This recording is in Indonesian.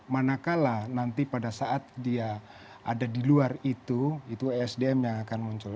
manakala nanti pada saat dia ada di luar itu itu esdm yang akan muncul